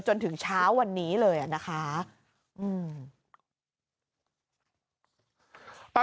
จนถึงเช้าวันนี้เลยนะคะ